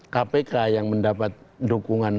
kpk yang mendapat dukungan